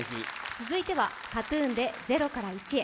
続いてはＫＡＴ−ＴＵＮの「ゼロからイチへ」。